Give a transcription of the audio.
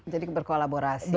jadi berkolaborasi ya